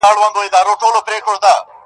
له مايې ما اخله.